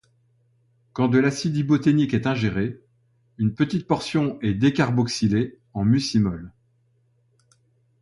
Quand de l'acide iboténique est ingéré, une petite portion est décarboxylée en muscimol.